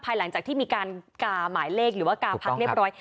หลังจากที่มีการกาหมายเลขหรือว่ากาพักเรียบร้อย